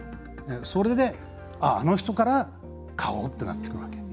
それで、あの人から買おうってなってくるわけ。